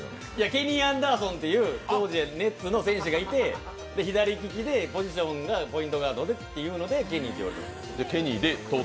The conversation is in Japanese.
ケニー・アンダーソンという当時、ＮＢＡの選手がいて左利きでポジションがポイントガードでっていうのでケニーって呼ばれてた。